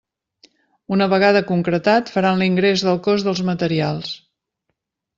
Una vegada concretat, faran l'ingrés del cost dels materials.